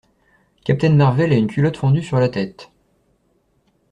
Captain Marvel a une culotte fendue sur la tête.